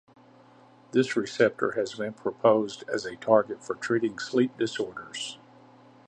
This receptor has been proposed as a target for treating sleep disorders.